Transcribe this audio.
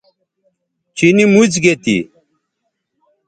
چینی موڅ گے تھی